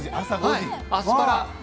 アスパラ